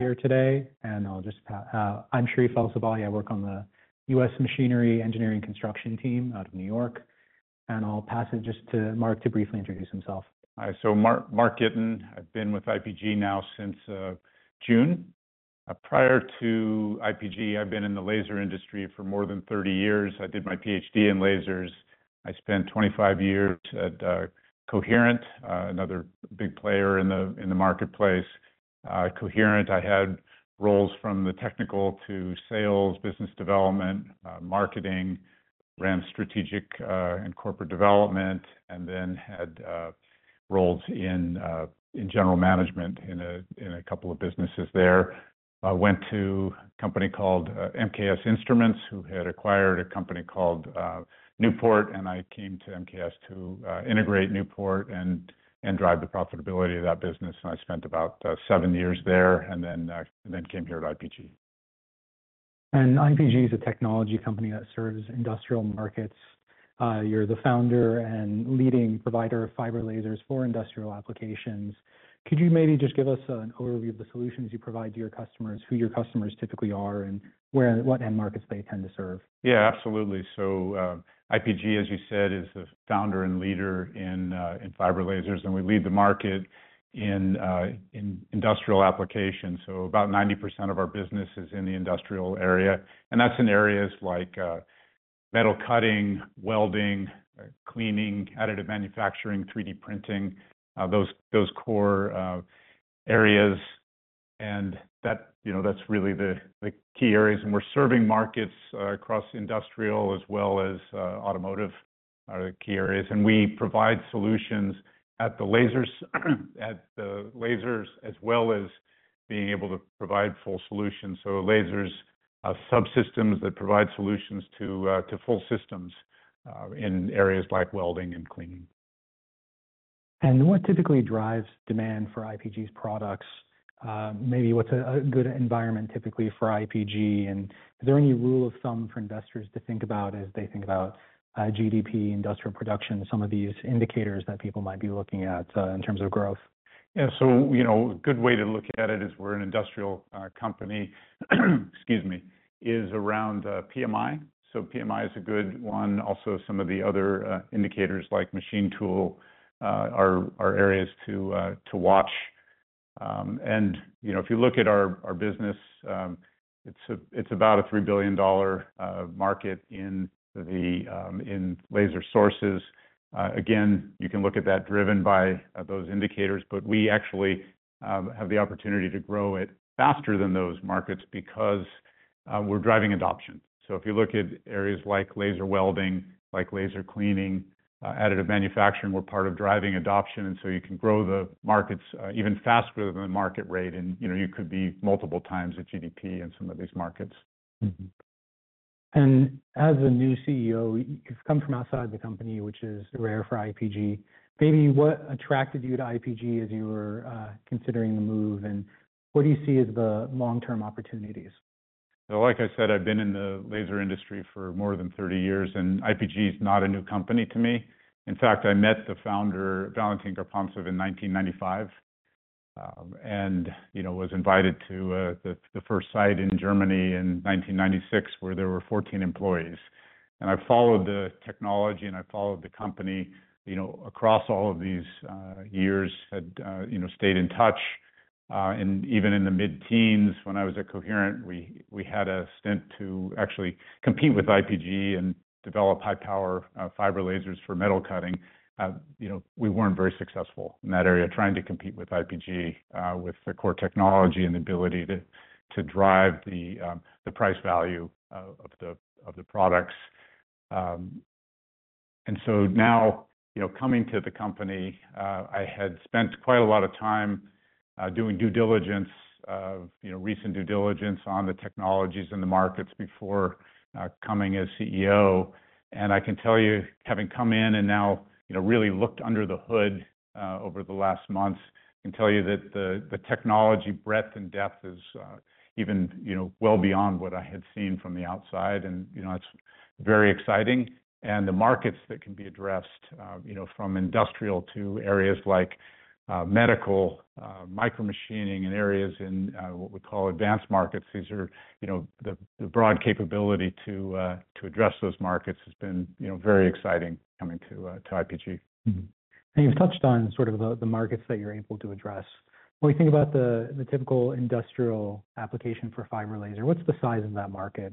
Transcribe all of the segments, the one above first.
Here today, and I'll just pass. I'm Sherif El-Sabbahy. I work on the U.S. Machinery Engineering Construction team out of New York, and I'll pass it just to Mark to briefly introduce himself. Hi, so Mark Gitin. I've been with IPG now since June. Prior to IPG, I've been in the laser industry for more than 30 years. I did my PhD in lasers. I spent 25 years at Coherent, another big player in the marketplace. At Coherent, I had roles from the technical to sales, business development, marketing, ran strategic and corporate development, and then had roles in general management in a couple of businesses there. I went to a company called MKS Instruments, who had acquired a company called Newport, and I came to MKS to integrate Newport and drive the profitability of that business. I spent about seven years there and then came here to IPG. IPG is a technology company that serves industrial markets. You're the founder and leading provider of fiber lasers for industrial applications. Could you maybe just give us an overview of the solutions you provide to your customers, who your customers typically are, and what end markets they tend to serve? Yeah, absolutely. IPG, as you said, is the founder and leader in fiber lasers, and we lead the market in industrial applications. About 90% of our business is in the industrial area, and that's in areas like metal cutting, welding, cleaning, additive manufacturing, 3D printing, those core areas. That's really the key areas, and we're serving markets across industrial as well as automotive are the key areas. We provide solutions at the lasers as well as being able to provide full solutions. Lasers are subsystems that provide solutions to full systems in areas like welding and cleaning. What typically drives demand for IPG's products? Maybe what's a good environment typically for IPG, and is there any rule of thumb for investors to think about as they think about GDP, industrial production, some of these indicators that people might be looking at in terms of growth? Yeah, so a good way to look at it is we're an industrial company, excuse me, is around PMI. PMI is a good one. Also, some of the other indicators like machine tool are areas to watch. If you look at our business, it's about a $3 billion market in laser sources. Again, you can look at that driven by those indicators, but we actually have the opportunity to grow it faster than those markets because we're driving adoption. If you look at areas like laser welding, like laser cleaning, additive manufacturing, we're part of driving adoption, and you can grow the markets even faster than the market rate, and you could be multiple times the GDP in some of these markets. As a new CEO, you've come from outside the company, which is rare for IPG. Maybe what attracted you to IPG as you were considering the move, and what do you see as the long-term opportunities? Like I said, I've been in the laser industry for more than 30 years, and IPG is not a new company to me. In fact, I met the founder, Valentin Gapontsev, in 1995 and was invited to the first site in Germany in 1996 where there were 14 employees. I followed the technology and I followed the company across all of these years, had stayed in touch. Even in the mid-teens, when I was at Coherent, we had a stint to actually compete with IPG and develop high-power fiber lasers for metal cutting. We were not very successful in that area trying to compete with IPG with the core technology and the ability to drive the price value of the products. Now coming to the company, I had spent quite a lot of time doing due diligence, recent due diligence on the technologies and the markets before coming as CEO. I can tell you, having come in and now really looked under the hood over the last months, I can tell you that the technology breadth and depth is even well beyond what I had seen from the outside, and that's very exciting. The markets that can be addressed from industrial to areas like medical, micromachining, and areas in what we call advanced markets, these are the broad capability to address those markets has been very exciting coming to IPG. You have touched on sort of the markets that you are able to address. When we think about the typical industrial application for fiber laser, what is the size of that market?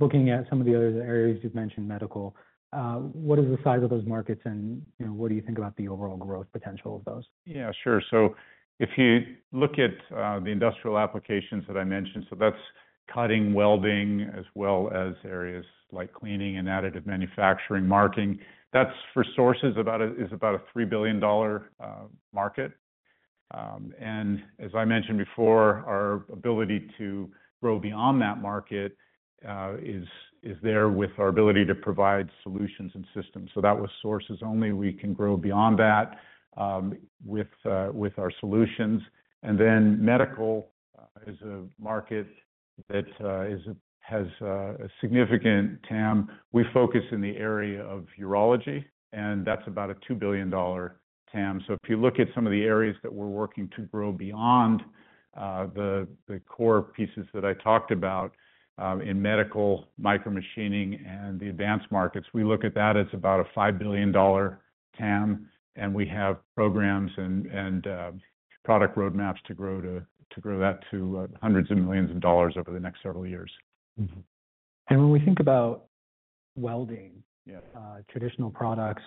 Looking at some of the other areas you have mentioned, medical, what is the size of those markets and what do you think about the overall growth potential of those? Yeah, sure. If you look at the industrial applications that I mentioned, that's cutting, welding, as well as areas like cleaning and additive manufacturing, marking, that's for sources is about a $3 billion market. As I mentioned before, our ability to grow beyond that market is there with our ability to provide solutions and systems. That was sources only. We can grow beyond that with our solutions. Medical is a market that has a significant TAM. We focus in the area of urology, and that's about a $2 billion TAM. If you look at some of the areas that we're working to grow beyond the core pieces that I talked about in medical, micromachining, and the advanced markets, we look at that as about a $5 billion TAM, and we have programs and product roadmaps to grow that to hundreds of millions of dollars over the next several years. When we think about welding, traditional products,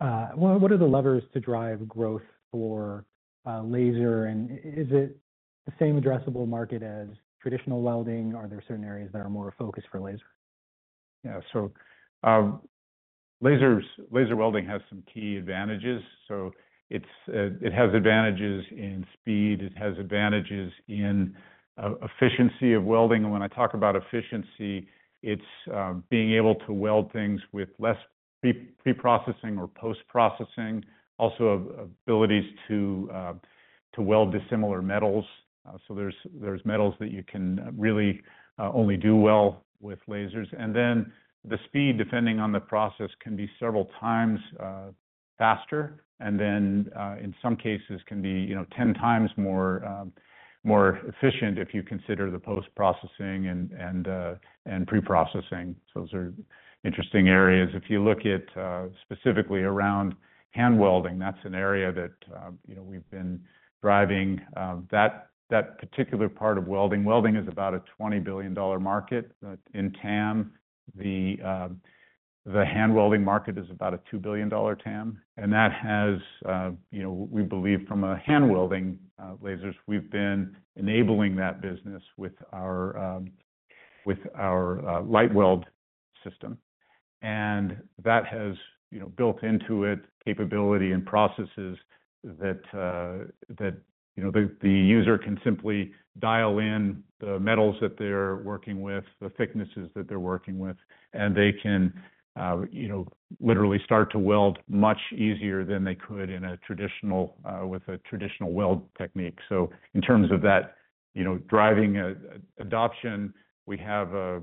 what are the levers to drive growth for laser, and is it the same addressable market as traditional welding, or are there certain areas that are more focused for laser? Yeah, so laser welding has some key advantages. It has advantages in speed. It has advantages in efficiency of welding. When I talk about efficiency, it's being able to weld things with less pre-processing or post-processing, also abilities to weld dissimilar metals. There are metals that you can really only do well with lasers. The speed, depending on the process, can be several times faster, and in some cases can be 10 times more efficient if you consider the post-processing and pre-processing. Those are interesting areas. If you look at specifically around hand welding, that's an area that we've been driving. That particular part of welding, welding is about a $20 billion market. In TAM, the hand welding market is about a $2 billion TAM, and that has, we believe, from a hand welding lasers, we've been enabling that business with our LightWELD system. That has built into it capability and processes that the user can simply dial in the metals that they're working with, the thicknesses that they're working with, and they can literally start to weld much easier than they could with a traditional weld technique. In terms of that driving adoption, we have a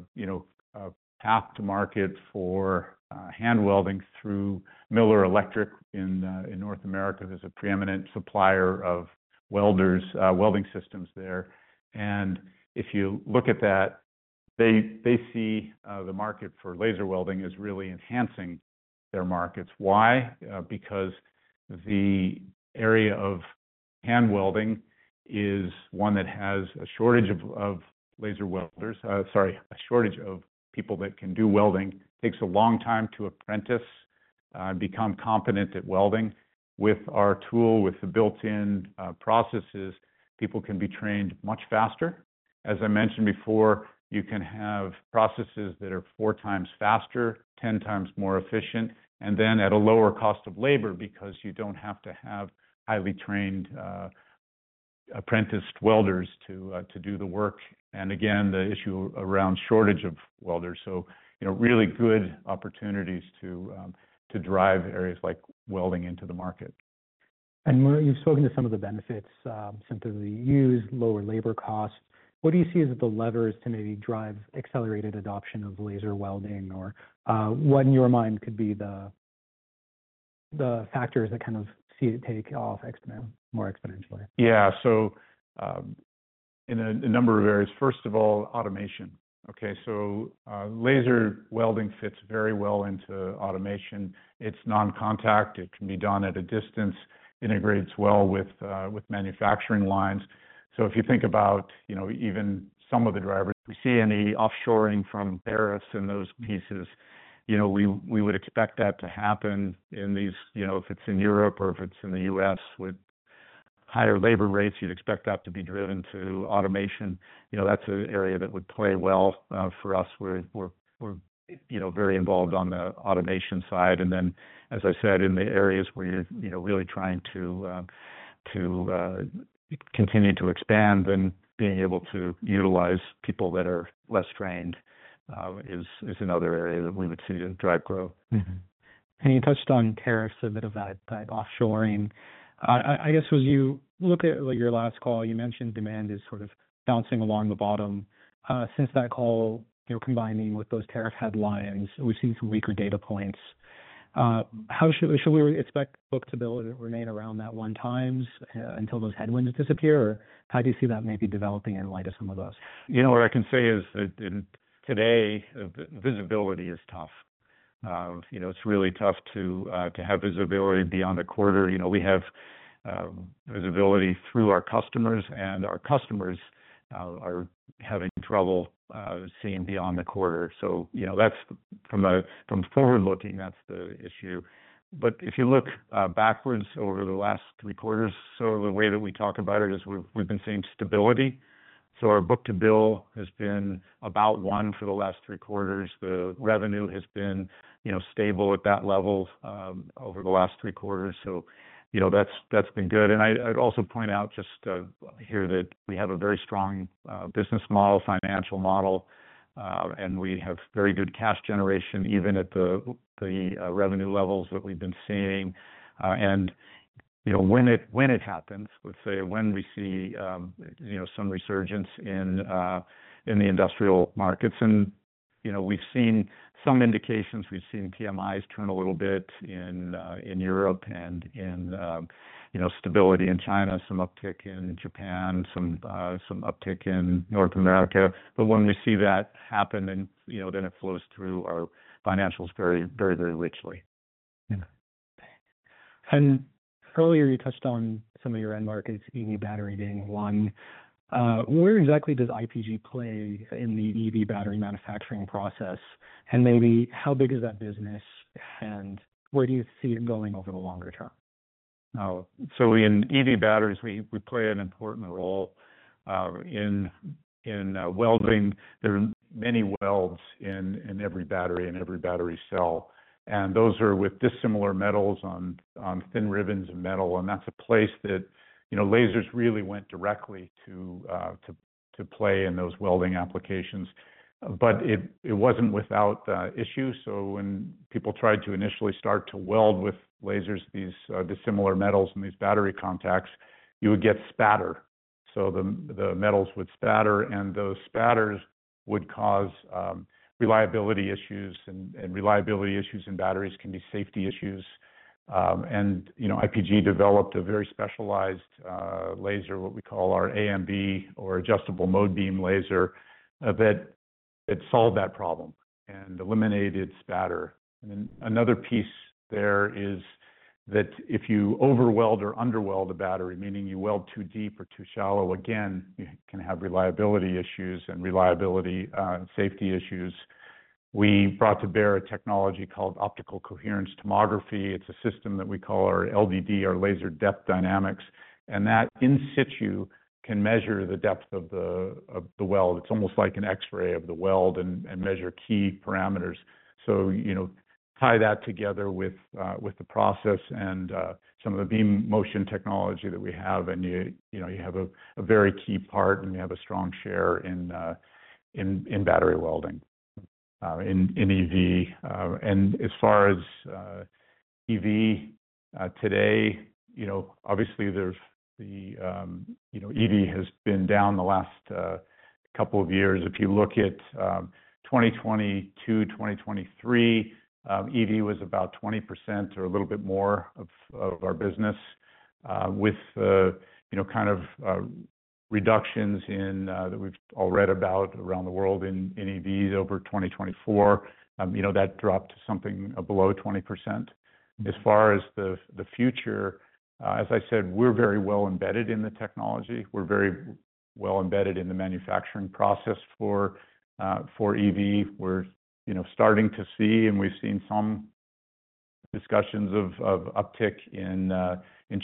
path to market for hand welding through Miller Electric in North America. There's a preeminent supplier of welders, welding systems there. If you look at that, they see the market for laser welding is really enhancing their markets. Why? Because the area of hand welding is one that has a shortage of laser welders, sorry, a shortage of people that can do welding. It takes a long time to apprentice and become competent at welding. With our tool, with the built-in processes, people can be trained much faster. As I mentioned before, you can have processes that are four times faster, 10 times more efficient, and then at a lower cost of labor because you do not have to have highly trained apprenticed welders to do the work. The issue around shortage of welders. Really good opportunities to drive areas like welding into the market. You have spoken to some of the benefits: simply the use, lower labor costs. What do you see as the levers to maybe drive accelerated adoption of laser welding, or what in your mind could be the factors that kind of see it take off more exponentially? Yeah, so in a number of areas. First of all, automation. Okay, so laser welding fits very well into automation. It's non-contact. It can be done at a distance. It integrates well with manufacturing lines. If you think about even some of the drivers, we see any offshoring from tariffs and those pieces, we would expect that to happen in these, if it's in Europe or if it's in the U.S. with higher labor rates, you'd expect that to be driven to automation. That's an area that would play well for us. We're very involved on the automation side. As I said, in the areas where you're really trying to continue to expand, then being able to utilize people that are less trained is another area that we would see to drive growth. You touched on tariffs, a bit of that offshoring. I guess as you look at your last call, you mentioned demand is sort of bouncing along the bottom. Since that call, combining with those tariff headlines, we've seen some weaker data points. How should we expect book to remain around that one times until those headwinds disappear, or how do you see that maybe developing in light of some of those? You know what I can say is today, visibility is tough. It's really tough to have visibility beyond the quarter. We have visibility through our customers, and our customers are having trouble seeing beyond the quarter. From forward looking, that's the issue. If you look backwards over the last three quarters, the way that we talk about it is we've been seeing stability. Our book to bill has been about one for the last three quarters. The revenue has been stable at that level over the last three quarters. That's been good. I'd also point out just here that we have a very strong business model, financial model, and we have very good cash generation even at the revenue levels that we've been seeing. When it happens, let's say when we see some resurgence in the industrial markets, and we've seen some indications, we've seen PMIs turn a little bit in Europe and in stability in China, some uptick in Japan, some uptick in North America. When we see that happen, then it flows through our financials very, very, very richly. Earlier you touched on some of your end markets, EV battery being one. Where exactly does IPG play in the EV battery manufacturing process, and maybe how big is that business, and where do you see it going over the longer term? In EV batteries, we play an important role in welding. There are many welds in every battery and every battery cell. Those are with dissimilar metals on thin ribbons of metal. That is a place that lasers really went directly to play in those welding applications. It was not without issues. When people tried to initially start to weld with lasers, these dissimilar metals and these battery contacts, you would get spatter. The metals would spatter, and those spatters would cause reliability issues, and reliability issues in batteries can be safety issues. IPG developed a very specialized laser, what we call our AMB or Adjustable Mode Beam laser, that solved that problem and eliminated spatter. Another piece there is that if you overweld or underweld a battery, meaning you weld too deep or too shallow, you can have reliability issues and reliability safety issues. We brought to bear a technology called optical coherence tomography. It's a system that we call our LDD, our Laser Depth Dynamics. If you look at 2022, 2023, EV was about 20% or a little bit more of our business with kind of reductions that we've all read about around the world in EVs over 2024. That dropped to something below 20%. As far as the future, as I said, we're very well embedded in the technology. We're very well embedded in the manufacturing process for EV. We're starting to see, and we've seen some discussions of uptick in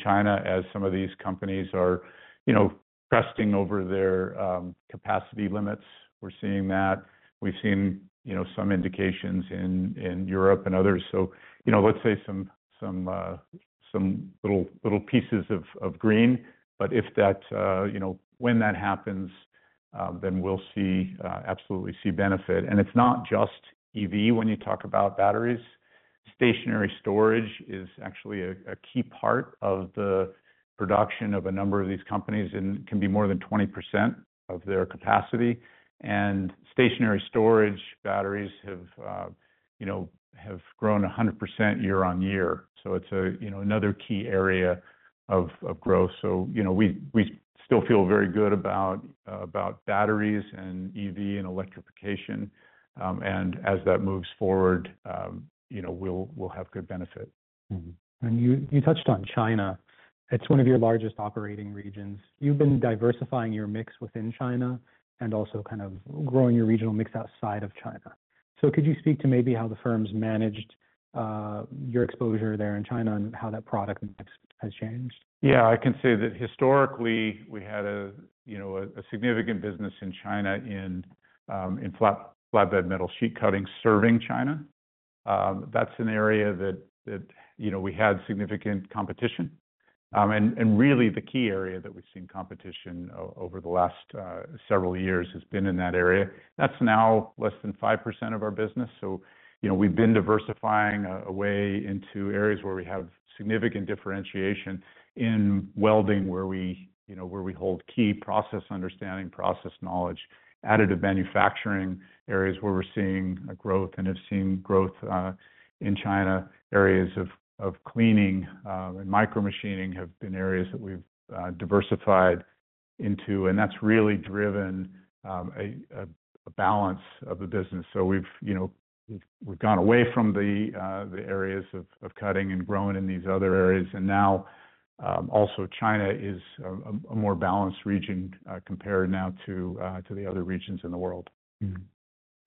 China as some of these companies are cresting over their capacity limits. We're seeing that. We've seen some indications in Europe and others. Let's say some little pieces of green. If that, when that happens, then we'll absolutely see benefit. It's not just EV when you talk about batteries. Stationary storage is actually a key part of the production of a number of these companies and can be more than 20% of their capacity. Stationary storage batteries have grown 100% year on year. It is another key area of growth. We still feel very good about batteries and EV and electrification. As that moves forward, we'll have good benefit. You touched on China. It's one of your largest operating regions. You've been diversifying your mix within China and also kind of growing your regional mix outside of China. Could you speak to maybe how the firm's managed your exposure there in China and how that product mix has changed? Yeah, I can say that historically we had a significant business in China in flatbed metal sheet cutting serving China. That's an area that we had significant competition. Really the key area that we've seen competition over the last several years has been in that area. That's now less than 5% of our business. We have been diversifying away into areas where we have significant differentiation in welding, where we hold key process understanding, process knowledge, additive manufacturing areas where we're seeing growth and have seen growth in China. Areas of cleaning and micromachining have been areas that we've diversified into. That's really driven a balance of the business. We have gone away from the areas of cutting and grown in these other areas. Now also China is a more balanced region compared now to the other regions in the world.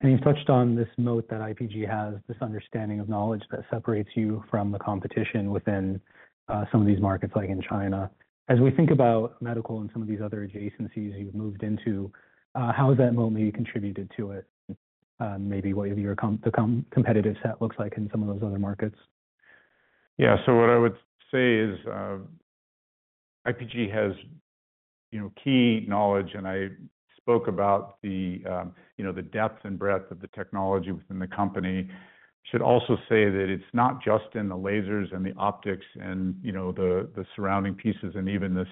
You have touched on this moat that IPG has, this understanding of knowledge that separates you from the competition within some of these markets like in China. As we think about medical and some of these other adjacencies you have moved into, how has that moat maybe contributed to it? Maybe what your competitive set looks like in some of those other markets? Yeah, so what I would say is IPG has key knowledge, and I spoke about the depth and breadth of the technology within the company. I should also say that it's not just in the lasers and the optics and the surrounding pieces and even the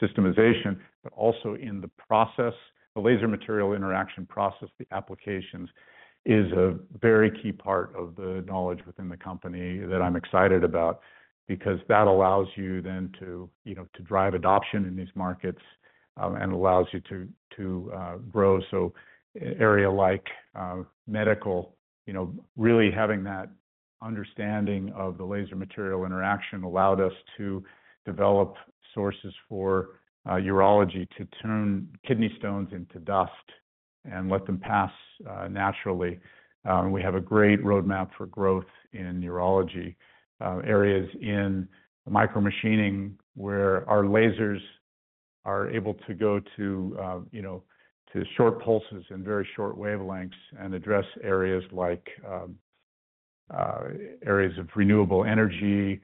systemization, but also in the process, the laser material interaction process, the applications is a very key part of the knowledge within the company that I'm excited about because that allows you then to drive adoption in these markets and allows you to grow. An area like medical, really having that understanding of the laser material interaction allowed us to develop sources for urology to turn kidney stones into dust and let them pass naturally. We have a great roadmap for growth in urology areas in micromachining where our lasers are able to go to short pulses and very short wavelengths and address areas like areas of renewable energy,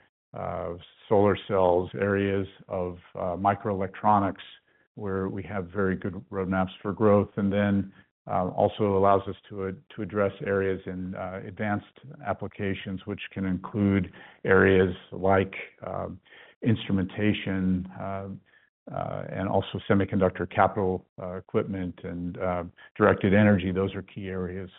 solar cells, areas of microelectronics where we have very good roadmaps for growth. It also allows us to address areas in advanced applications, which can include areas like instrumentation and also semiconductor capital equipment and directed energy. Those are key areas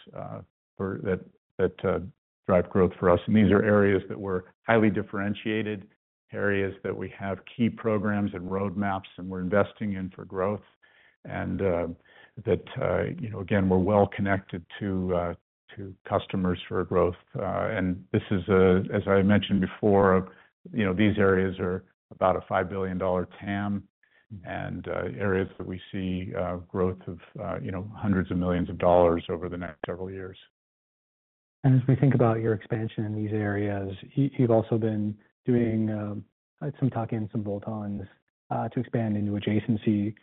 that drive growth for us. These are areas that are highly differentiated, areas that we have key programs and roadmaps and we're investing in for growth. That, again, we're well connected to customers for growth. As I mentioned before, these areas are about a $5 billion TAM and areas that we see growth of hundreds of millions of dollars over the next several years. As we think about your expansion in these areas, you've also been doing some talking and some bolt-ons to expand into adjacency.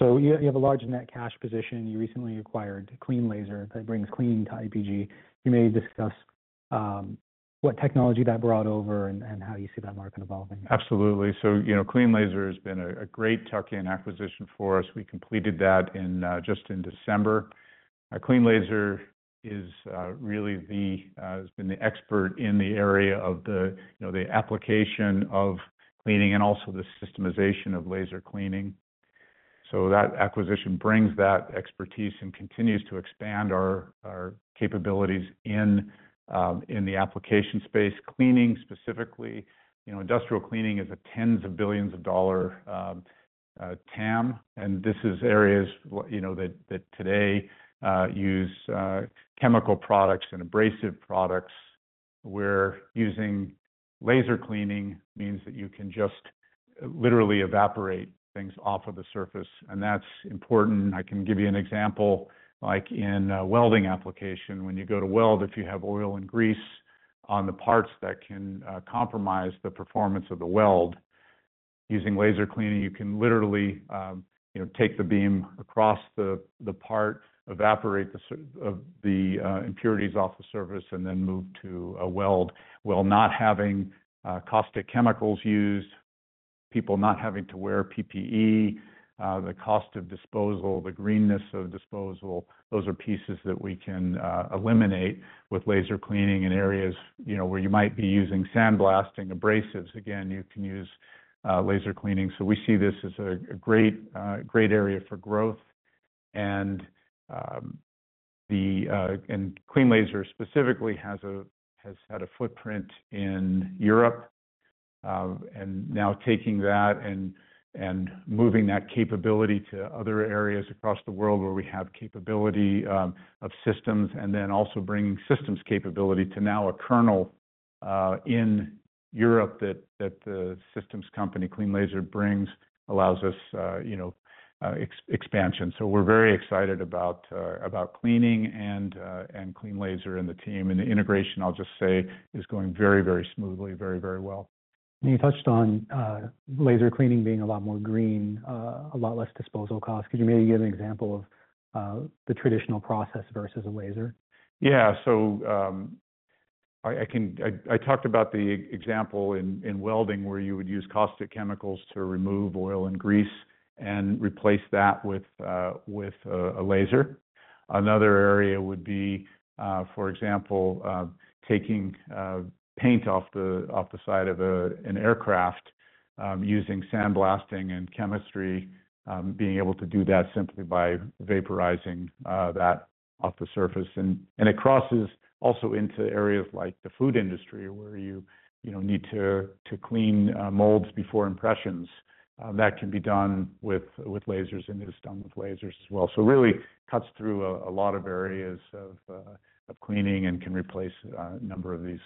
You have a large net cash position. You recently acquired Clean Laser that brings Clean to IPG. You may discuss what technology that brought over and how you see that market evolving. Absolutely. Clean Laser has been a great tuck-in acquisition for us. We completed that just in December. Clean Laser has really been the expert in the area of the application of cleaning and also the systemization of laser cleaning. That acquisition brings that expertise and continues to expand our capabilities in the application space. Cleaning specifically, industrial cleaning is a tens of billions of dollar TAM. This is areas that today use chemical products and abrasive products where using laser cleaning means that you can just literally evaporate things off of the surface. That is important. I can give you an example like in a welding application. When you go to weld, if you have oil and grease on the parts that can compromise the performance of the weld, using laser cleaning, you can literally take the beam across the part, evaporate the impurities off the surface, and then move to a weld. While not having caustic chemicals used, people not having to wear PPE, the cost of disposal, the greenness of disposal, those are pieces that we can eliminate with laser cleaning in areas where you might be using sandblasting, abrasives. Again, you can use laser cleaning. We see this as a great area for growth. Clean Laser specifically has had a footprint in Europe and now taking that and moving that capability to other areas across the world where we have capability of systems and then also bringing systems capability to now a kernel in Europe that the systems company Clean Laser brings allows us expansion. We are very excited about cleaning and Clean Laser and the team and the integration, I'll just say, is going very, very smoothly, very, very well. You touched on laser cleaning being a lot more green, a lot less disposal cost. Could you maybe give an example of the traditional process versus a laser? Yeah. I talked about the example in welding where you would use caustic chemicals to remove oil and grease and replace that with a laser. Another area would be, for example, taking paint off the side of an aircraft using sandblasting and chemistry, being able to do that simply by vaporizing that off the surface. It crosses also into areas like the food industry where you need to clean molds before impressions. That can be done with lasers and is done with lasers as well. It really cuts through a lot of areas of cleaning and can replace a number of these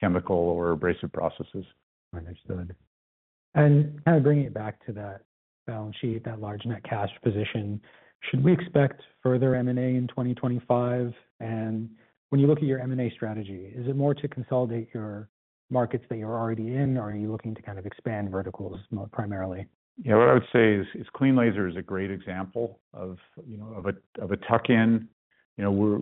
chemical or abrasive processes. Understood. Kind of bringing it back to that balance sheet, that large net cash position, should we expect further M&A in 2025? When you look at your M&A strategy, is it more to consolidate your markets that you're already in, or are you looking to kind of expand verticals primarily? Yeah, what I would say is Clean Laser is a great example of a tuck-in. We're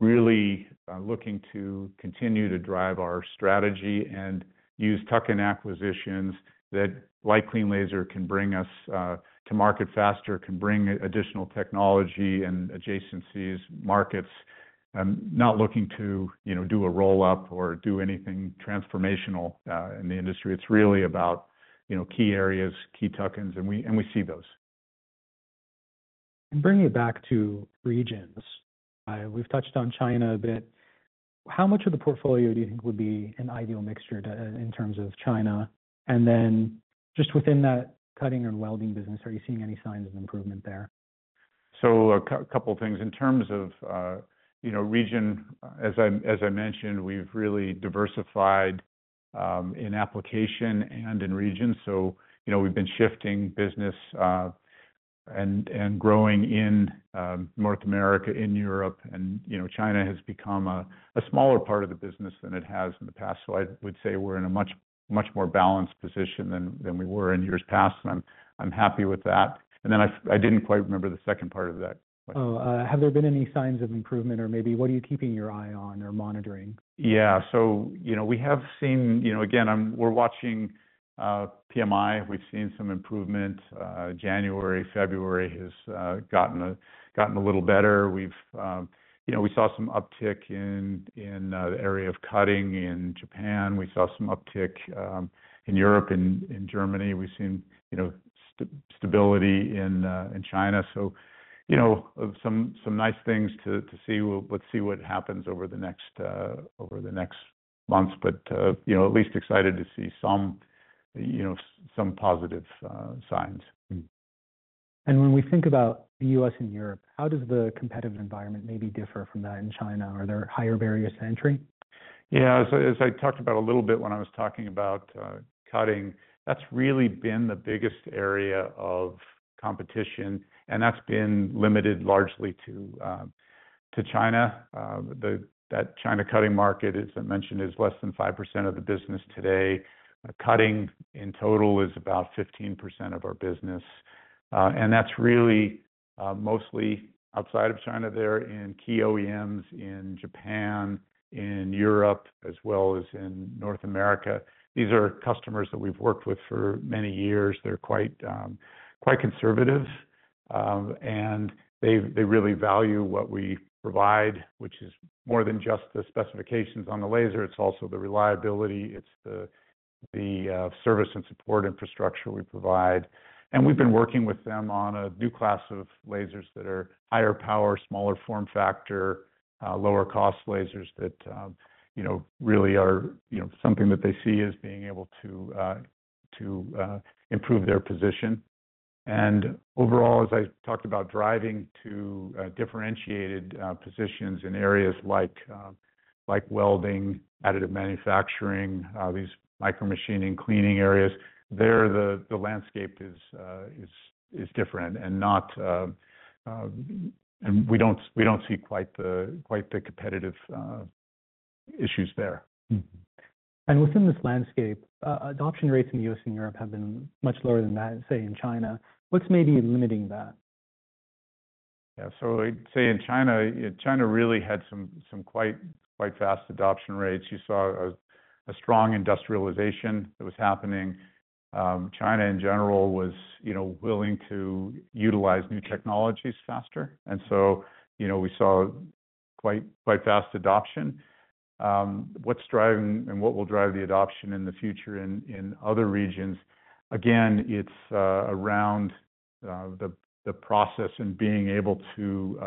really looking to continue to drive our strategy and use tuck-in acquisitions that, like Clean Laser, can bring us to market faster, can bring additional technology and adjacencies, markets. I'm not looking to do a roll-up or do anything transformational in the industry. It's really about key areas, key tuck-ins, and we see those. Bringing it back to regions, we've touched on China a bit. How much of the portfolio do you think would be an ideal mixture in terms of China? And then just within that cutting and welding business, are you seeing any signs of improvement there? A couple of things. In terms of region, as I mentioned, we've really diversified in application and in region. We've been shifting business and growing in North America, in Europe. China has become a smaller part of the business than it has in the past. I would say we're in a much more balanced position than we were in years past. I'm happy with that. I didn't quite remember the second part of that question. Oh, have there been any signs of improvement, or maybe what are you keeping your eye on or monitoring? Yeah. We have seen, again, we're watching PMI. We've seen some improvement. January, February has gotten a little better. We saw some uptick in the area of cutting in Japan. We saw some uptick in Europe and in Germany. We've seen stability in China. Some nice things to see. Let's see what happens over the next months, but at least excited to see some positive signs. When we think about the U.S. and Europe, how does the competitive environment maybe differ from that in China? Are there higher barriers to entry? Yeah. As I talked about a little bit when I was talking about cutting, that's really been the biggest area of competition. That's been limited largely to China. That China cutting market, as I mentioned, is less than 5% of the business today. Cutting in total is about 15% of our business. That's really mostly outside of China. They're in key OEMs in Japan, in Europe, as well as in North America. These are customers that we've worked with for many years. They're quite conservative. They really value what we provide, which is more than just the specifications on the laser. It's also the reliability. It's the service and support infrastructure we provide. We have been working with them on a new class of lasers that are higher power, smaller form factor, lower cost lasers that really are something that they see as being able to improve their position. Overall, as I talked about, driving to differentiated positions in areas like welding, additive manufacturing, these micromachining cleaning areas, the landscape is different. We do not see quite the competitive issues there. Within this landscape, adoption rates in the U.S. and Europe have been much lower than that, say, in China. What's maybe limiting that? Yeah. I'd say in China, China really had some quite fast adoption rates. You saw a strong industrialization that was happening. China, in general, was willing to utilize new technologies faster. You saw quite fast adoption. What's driving and what will drive the adoption in the future in other regions? Again, it's around the process and being able to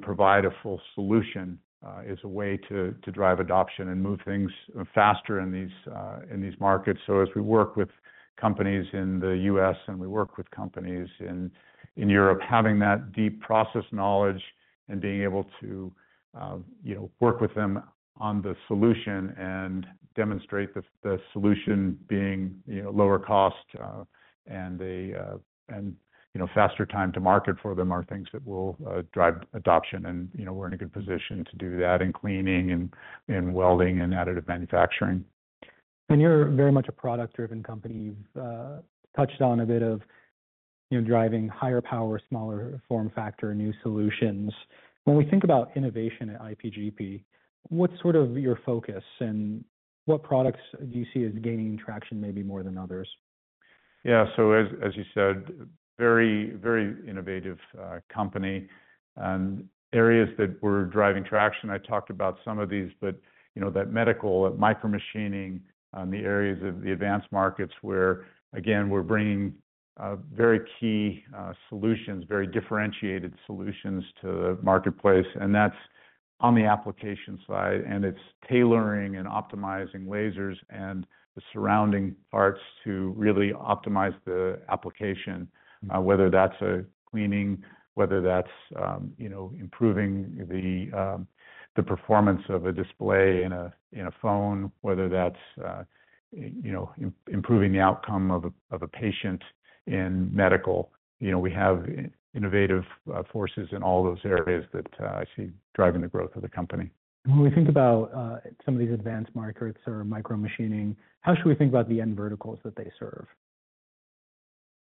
provide a full solution as a way to drive adoption and move things faster in these markets. As we work with companies in the U.S. and we work with companies in Europe, having that deep process knowledge and being able to work with them on the solution and demonstrate the solution being lower cost and faster time to market for them are things that will drive adoption. We're in a good position to do that in cleaning and welding and additive manufacturing. You're very much a product-driven company. You've touched on a bit of driving higher power, smaller form factor, new solutions. When we think about innovation at IPGP, what's sort of your focus and what products do you see as gaining traction maybe more than others? Yeah. As you said, very innovative company. Areas that we're driving traction, I talked about some of these, that medical, that micromachining, the areas of the advanced markets where, again, we're bringing very key solutions, very differentiated solutions to the marketplace. That's on the application side. It's tailoring and optimizing lasers and the surrounding parts to really optimize the application, whether that's cleaning, whether that's improving the performance of a display in a phone, whether that's improving the outcome of a patient in medical. We have innovative forces in all those areas that I see driving the growth of the company. When we think about some of these advanced markets or micromachining, how should we think about the end verticals that they serve?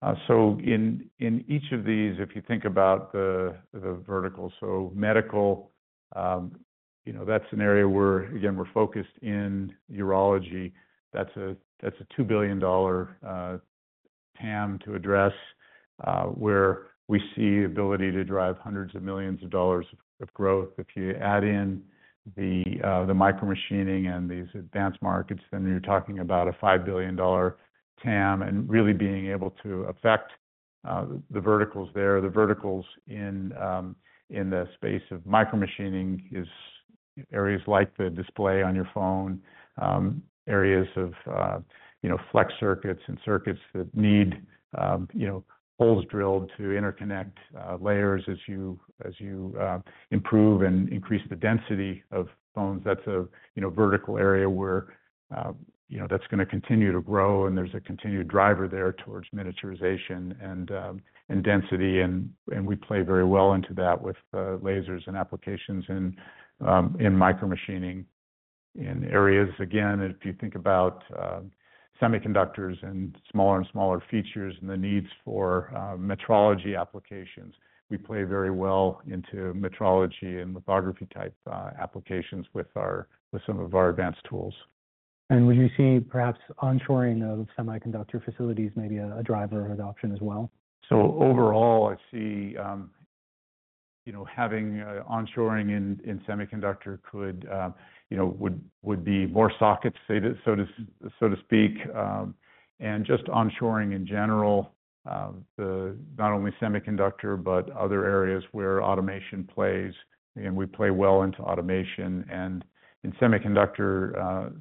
In each of these, if you think about the vertical, medical, that's an area where, again, we're focused in urology. That's a $2 billion TAM to address where we see the ability to drive hundreds of millions of dollars of growth. If you add in the micromachining and these advanced markets, then you're talking about a $5 billion TAM and really being able to affect the verticals there. The verticals in the space of micromachining areas like the display on your phone, areas of flex circuits and circuits that need holes drilled to interconnect layers as you improve and increase the density of phones. That's a vertical area where that's going to continue to grow. There's a continued driver there towards miniaturization and density. We play very well into that with lasers and applications in micromachining in areas. Again, if you think about semiconductors and smaller and smaller features and the needs for metrology applications, we play very well into metrology and lithography type applications with some of our advanced tools. Would you see perhaps onshoring of semiconductor facilities maybe a driver of adoption as well? Overall, I see having onshoring in semiconductor would be more sockets, so to speak. Just onshoring in general, not only semiconductor, but other areas where automation plays. Again, we play well into automation. In semiconductor,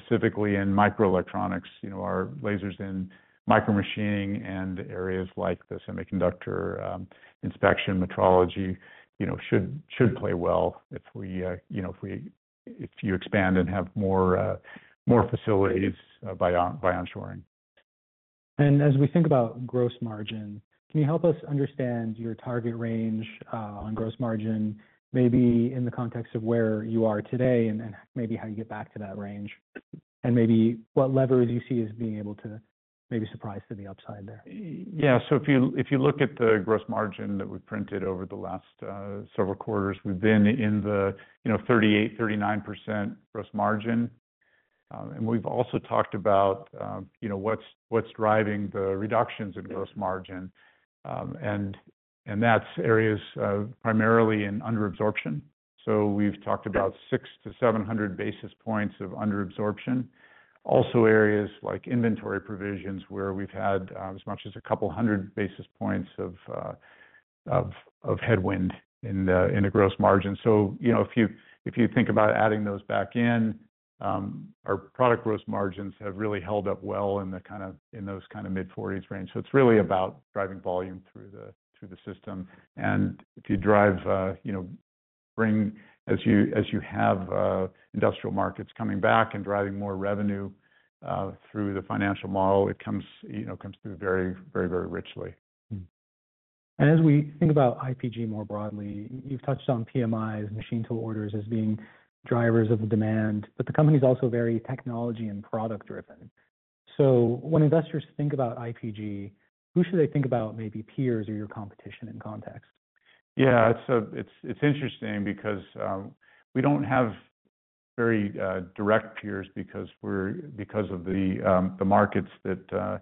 specifically in microelectronics, our lasers in micromachining and areas like the semiconductor inspection, metrology should play well if you expand and have more facilities by onshoring. As we think about gross margin, can you help us understand your target range on gross margin, maybe in the context of where you are today and maybe how you get back to that range? Maybe what levers you see as being able to maybe surprise to the upside there? Yeah. If you look at the gross margin that we've printed over the last several quarters, we've been in the 38%-39% gross margin. We've also talked about what's driving the reductions in gross margin. That's areas primarily in underabsorption. We've talked about 600-700 basis points of underabsorption. Also areas like inventory provisions where we've had as much as a couple hundred basis points of headwind in the gross margin. If you think about adding those back in, our product gross margins have really held up well in those kind of mid-40% range. It's really about driving volume through the system. If you bring, as you have industrial markets coming back and driving more revenue through the financial model, it comes through very, very, very richly. As we think about IPG more broadly, you've touched on PMIs, machine tool orders as being drivers of the demand, but the company's also very technology and product-driven. When investors think about IPG, who should they think about, maybe peers or your competition in context? Yeah. It's interesting because we don't have very direct peers because of the markets that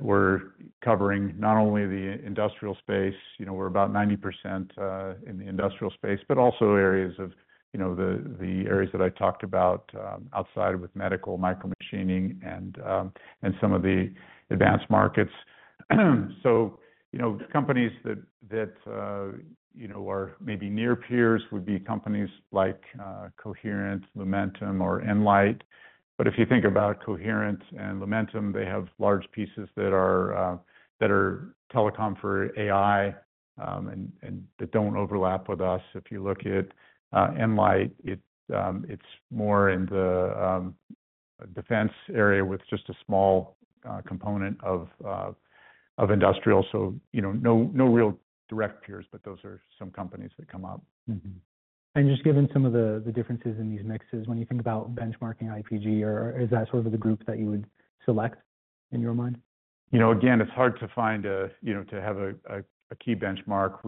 we're covering. Not only the industrial space, we're about 90% in the industrial space, but also areas of the areas that I talked about outside with medical, micromachining, and some of the advanced markets. Companies that are maybe near peers would be companies like Coherent, Lumentum, or nLIGHT. If you think about Coherent and Lumentum, they have large pieces that are telecom for AI and that don't overlap with us. If you look at nLIGHT, it's more in the defense area with just a small component of industrial. No real direct peers, but those are some companies that come up. Just given some of the differences in these mixes, when you think about benchmarking IPG, is that sort of the group that you would select in your mind? Again, it's hard to find to have a key benchmark.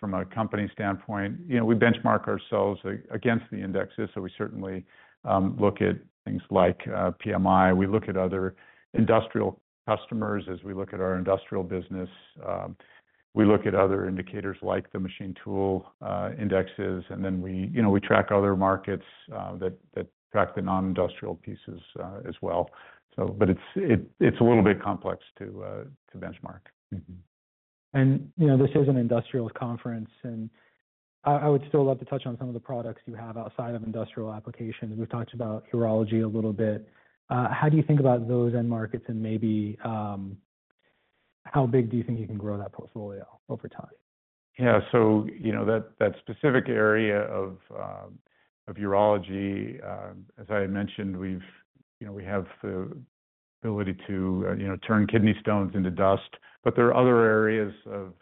From a company standpoint, we benchmark ourselves against the indexes. We certainly look at things like PMI. We look at other industrial customers as we look at our industrial business. We look at other indicators like the machine tool indexes. We track other markets that track the non-industrial pieces as well. It's a little bit complex to benchmark. This is an industrial conference. I would still love to touch on some of the products you have outside of industrial applications. We've talked about urology a little bit. How do you think about those end markets and maybe how big do you think you can grow that portfolio over time? Yeah. That specific area of urology, as I mentioned, we have the ability to turn kidney stones into dust. There are other areas of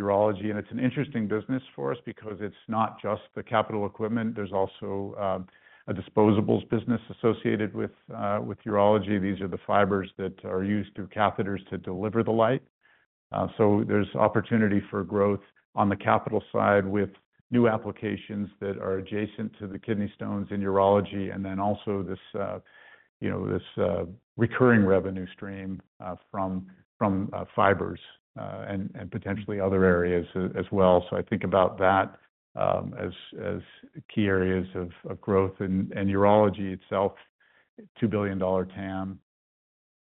urology. It is an interesting business for us because it is not just the capital equipment. There is also a disposables business associated with urology. These are the fibers that are used through catheters to deliver the light. There is opportunity for growth on the capital side with new applications that are adjacent to the kidney stones in urology. There is also this recurring revenue stream from fibers and potentially other areas as well. I think about that as key areas of growth. Urology itself, $2 billion TAM.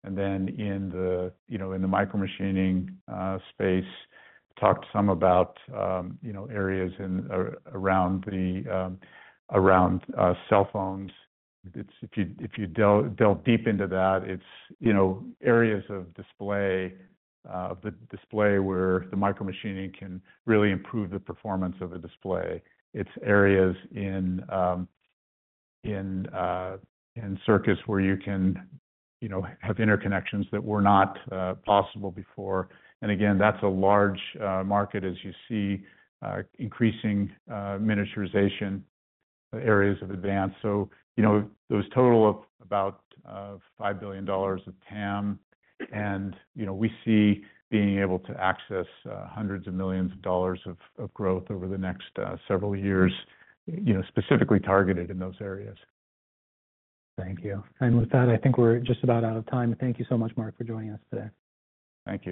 In the micromachining space, talked some about areas around cell phones. If you delve deep into that, it is areas of display where the micromachining can really improve the performance of a display. It's areas in circuits where you can have interconnections that were not possible before. That is a large market as you see increasing miniaturization areas of advance. Those total about $5 billion of TAM. We see being able to access hundreds of millions of dollars of growth over the next several years, specifically targeted in those areas. Thank you. With that, I think we're just about out of time. Thank you so much, Mark, for joining us today. Thank you.